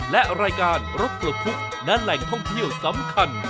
และรายการรถปลดทุกข์และแหล่งท่องเที่ยวสำคัญ